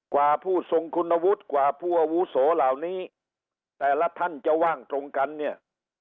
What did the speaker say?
กว่าผู้ทรงคุณวุฒิกว่าผู้อาวุโสเหล่านี้แต่ละท่านจะว่างตรงกันเนี่ย